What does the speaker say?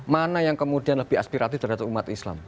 mana yang kemudian lebih aspiratif terhadap umat islam